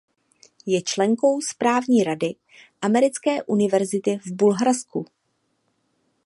Je členkou správní rady Americké univerzity v Bulharsku.